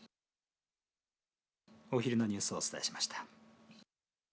お昼のニュースをお伝えしました。